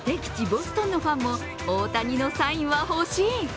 ボストンのファンも大谷のサインは欲しい。